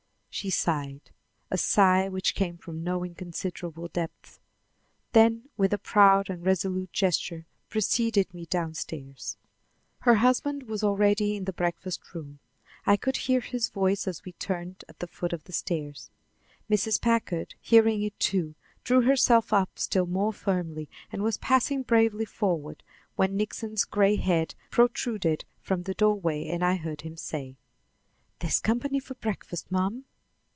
She sighed a sigh which came from no inconsiderable depths then with a proud and resolute gesture preceded me down stairs. Her husband was already in the breakfast room. I could hear his voice as we turned at the foot of the stairs. Mrs. Packard, hearing it, too, drew herself up still more firmly and was passing bravely forward, when Nixon's gray head protruded from the doorway and I heard him say: "There's company for breakfast, ma'am.